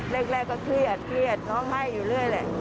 แรกก็เครียดเครียดร้องไห้อยู่เรื่อยแหละ